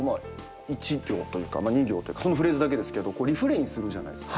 １行というかまあ２行というかそのフレーズだけですけどリフレインするじゃないですか。